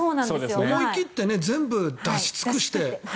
思い切って全部出し尽くして。